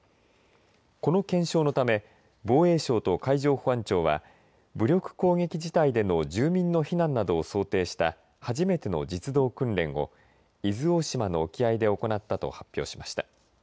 この検証のため防衛省と海上保安庁は武力攻撃事態での住民の避難などを想定した初めての実動訓練を伊豆大島の沖合で行ったと発表しました。